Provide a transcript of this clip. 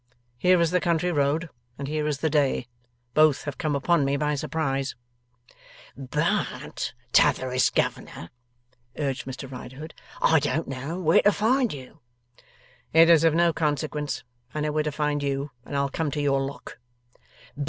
Here is the country road, and here is the day. Both have come upon me by surprise.' 'But, T'otherest Governor,' urged Mr Riderhood, 'I don't know where to find you.' 'It is of no consequence. I know where to find you, and I'll come to your Lock.